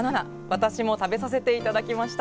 私も食べさせていただきました。